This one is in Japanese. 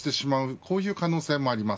こういう可能性もあります。